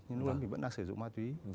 nhưng mà mình vẫn đang sử dụng mặt túy